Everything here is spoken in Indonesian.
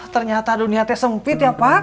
ternyata dunia teh sempit ya pak